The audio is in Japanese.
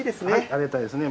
ありがたいですね。